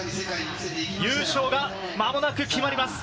優勝が間もなく決まります。